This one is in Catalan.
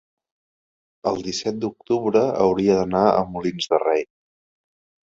el disset d'octubre hauria d'anar a Molins de Rei.